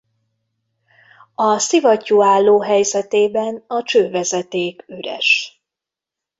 A szivattyú álló helyzetében a csővezeték üres.